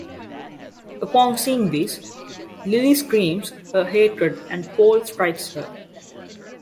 Upon seeing this, Lili screams her hatred and Paul strikes her.